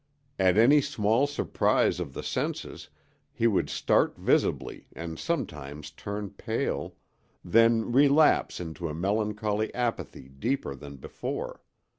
At any small surprise of the senses he would start visibly and sometimes turn pale, then relapse into a melancholy apathy deeper than before.